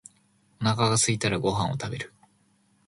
お腹がすいたらご飯を食べる。